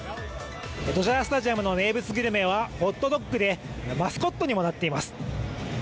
ドジャースタジアムの名物グルメはホットドッグでマスコットにもなっています。